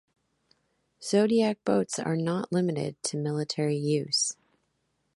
Zodiac boats are not limited to military use.